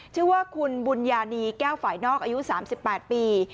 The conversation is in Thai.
ชื่อว่าคุณบุญญานีแก้วฝ่ายนอกอายุ๓๘ปี